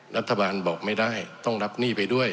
รัฐบาลบอกไม่ได้ต้องรับหนี้ไปด้วย